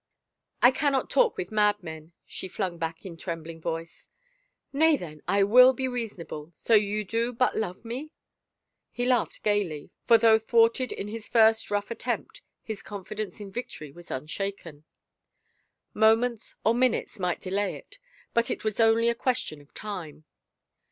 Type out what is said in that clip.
" I cannot talk with madmen," she flung back in a trembling voice. " Nay, then I will be reasonable — so you do but love me!" He laughed gayly, for though thwarted m this first rough attempt, his confidence in victory was unshaken. 72 THE INTERVIEW Moments or minutes might delay it but it was only a question of time.